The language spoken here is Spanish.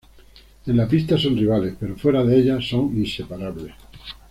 En la pista son rivales, pero fuera de ella son inseparables.